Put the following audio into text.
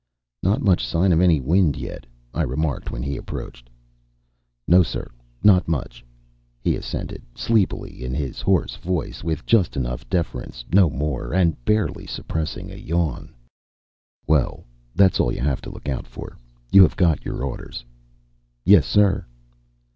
"Not much sign of any wind yet," I remarked when he approached. "No, sir. Not much," he assented, sleepily, in his hoarse voice, with just enough deference, no more, and barely suppressing a yawn. "Well, that's all you have to look out for. You have got your orders." "Yes, sir."